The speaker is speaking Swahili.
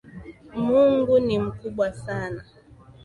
Mungu ni mkubwa Sana.